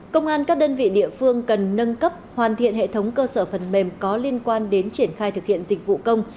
công an các đơn vị địa phương cần nâng cấp hoàn thiện hệ thống cơ sở phần mềm có liên quan đến triển khai thực hiện dịch vụ công